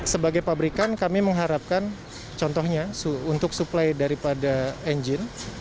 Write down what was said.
sebagai pabrikan kami mengharapkan contohnya untuk suplai daripada engine